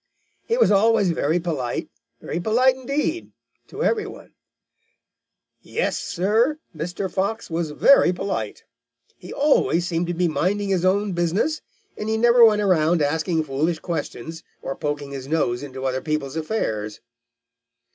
He was always very polite, very polite indeed, to every one. Yes, Sir, Mr. Fox was very polite. He always seemed to be minding his own business, and he never went around asking foolish questions or poking his nose into other people's affairs."